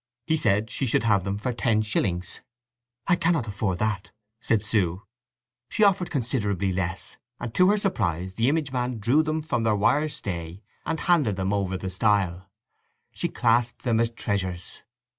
He said she should have them for ten shillings. "I cannot afford that," said Sue. She offered considerably less, and to her surprise the image man drew them from their wire stay and handed them over the stile. She clasped them as treasures.